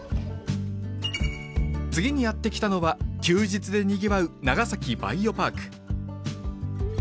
次にやって来たのは休日でにぎわう長崎バイオパーク